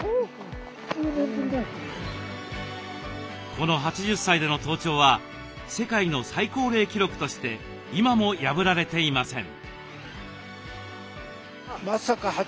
この８０歳での登頂は世界の最高齢記録として今も破られていません。